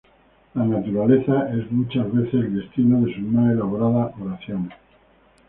La naturaleza es muchas veces el destino de sus más elaboradas oraciones.